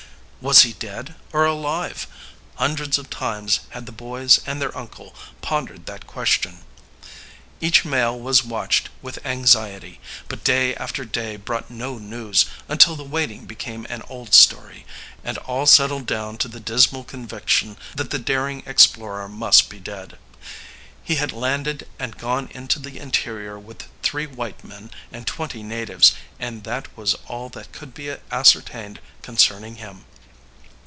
Was he dead or alive? Hundreds of times had the boys and their uncle pondered that question. Each mail was watched with anxiety, but day after day brought no news, until the waiting became an old story, and all settled down to the dismal conviction that the daring explorer must be dead. He had landed and gone into the interior with three white men and twenty natives, and that was all that could be ascertained concerning him.